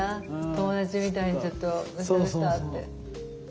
友達みたいにちょっとどうしたどうしたって。